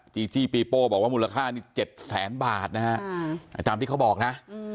จีจี้ปีโป้บอกว่ามูลค่านี่๗แสนบาทนะฮะตามที่เขาบอกนะ